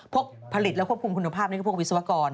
ผลิตและควบคุมคุณภาพนี่ก็พวกวิศวกร